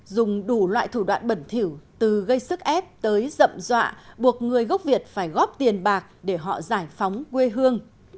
dùng đủ loại thủ đoạn bẩn thiểu từ gây sức ép tới rậm dọa buộc người gốc việt phải góp tiền bạc để họ giải phóng quê hương